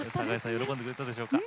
喜んでくれたでしょうか。